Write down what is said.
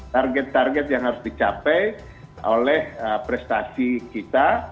target target yang harus dicapai oleh prestasi kita